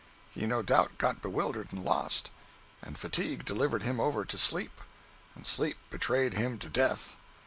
He no doubt got bewildered and lost, and Fatigue delivered him over to Sleep and Sleep betrayed him to Death.